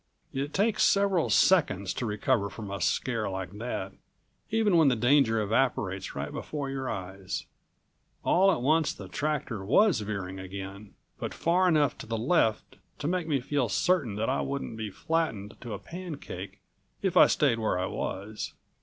It takes several seconds to recover from a scare like that, even when the danger evaporates right before your eyes. All at once the tractor was veering again, but far enough to the left to make me feel certain that I wouldn't be flattened to a pancake if I stayed where I was.